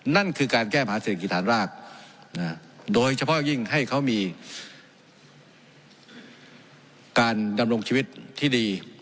นั่นคือการแก้ผาเศรษฐกิจฐานรากโดยเฉพาะยิ่งให้เขามีการดำรงชีวิตที่ดี